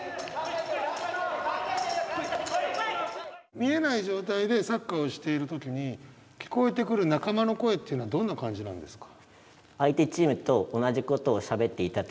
見えない状態でサッカーをしている時に聞こえてくる仲間の声っていうのはどんな感じなんですか？